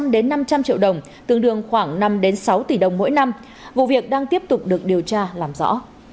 đến năm trăm linh triệu đồng tương đương khoảng năm sáu tỷ đồng mỗi năm vụ việc đang tiếp tục được điều tra làm rõ